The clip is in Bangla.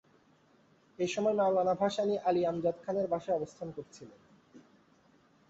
এসময় মওলানা ভাসানী আলী আমজাদ খানের বাসায় অবস্থান করছিলেন।